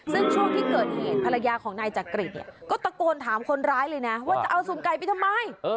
ซึ่งช่วงที่เกิดเหตุภรรยาของนายจักริตเนี่ยก็ตะโกนถามคนร้ายเลยนะว่าจะเอาสุ่มไก่ไปทำไม